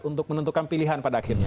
untuk menentukan pilihan pada akhirnya